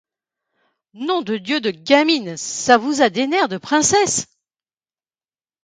Nom de Dieu de gamine! ça vous a des nerfs de princesse !...